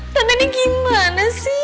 tante ini gimana sih